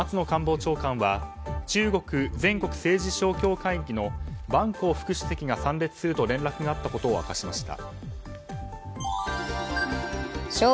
また、松野官房長官は中国全国政治協商会議の万鋼副主席が参列すると連絡があったことを明かしました。